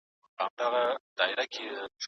ایا تلویزیون ډېر لوړ غږ لري؟